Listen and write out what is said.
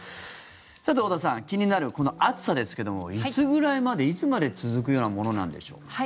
さて、太田さん気になるこの暑さですけどもいつぐらいまで、いつまで続くようなものなんでしょう。